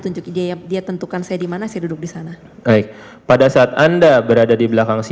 ini di pukul tadi